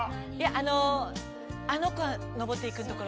あの「あの子は昇っていく」のところから。